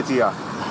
cái gì hả